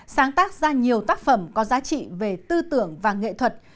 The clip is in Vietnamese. sáng tác ra nhiều tác phẩm có giá trị về tư tưởng và nghệ thuật